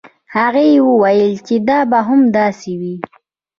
هغې وویل چې دا به هم داسې وي.